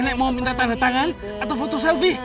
naik mau minta tanda tangan atau foto selfie